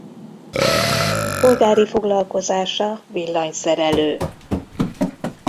Polgári foglalkozása villanyszerelő.